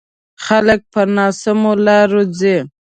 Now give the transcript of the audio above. خلک په ناسمو لارو ځي.